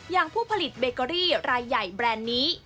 อย่างผู้ผลิตเบเกอรี่รายใหญ่แบรนด์นี้